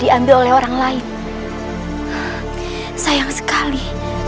diambil oleh orang lain sayang sekali